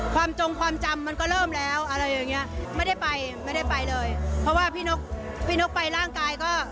จงความจำมันก็เริ่มแล้วอะไรอย่างเงี้ยไม่ได้ไปไม่ได้ไปเลยเพราะว่าพี่นกพี่นกไปร่างกายก็